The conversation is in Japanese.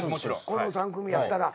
この３組やったら。